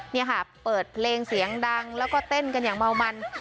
นี่ค่ะเปิดเพลงเสียงดังแล้วก็เต้นกันอย่างเมามัน